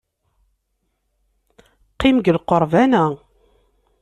Qqim deg lqerban-a.